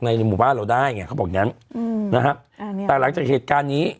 ในหมู่บ้านเราได้เขาบอกยังนะครับแต่หลังจากเหตุการณ์นี้